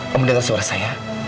kamu dengar suara saya